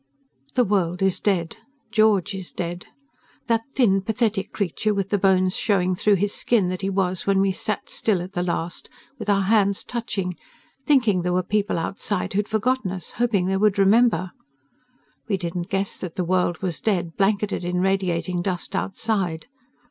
The world is dead.... George is dead, that thin, pathetic creature with the bones showing through his skin that he was when we sat still at the last with our hands touching, thinking there were people outside who had forgotten us, hoping they would remember. We didn't guess that the world was dead, blanketed in radiating dust outside.